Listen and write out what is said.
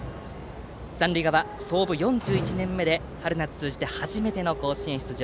三塁側、創部４１年目で春夏通じて初めての甲子園出場